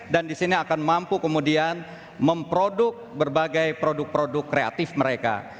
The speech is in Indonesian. dan disini akan mampu kemudian memproduk berbagai produk produk kreatif mereka